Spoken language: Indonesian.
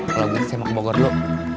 kalau buat saya mau ke bogor dulu